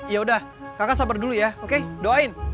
ya udah kakak sabar dulu ya oke doain